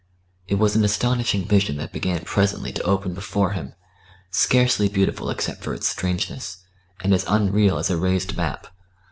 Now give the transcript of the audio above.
It was an astonishing vision that began presently to open before him scarcely beautiful except for its strangeness, and as unreal as a raised map.